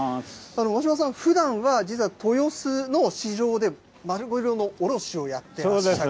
眞島さん、ふだんは実は豊洲の市場でマグロの卸をやってらっしゃる。